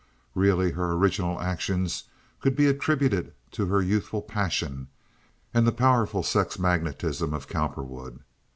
Really her original actions could be attributed to her youthful passion and the powerful sex magnetism of Cowperwood.